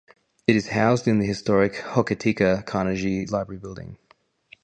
It is housed in the historic Hokitika Carnegie Library building.